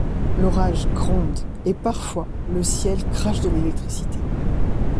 L’orage gronde et parfois le ciel crache de l’électricité.